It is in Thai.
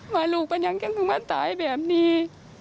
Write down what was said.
ว่าลูกมันยังแค่ถึงมันตายแบบนี้